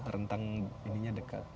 terhentang ininya dekat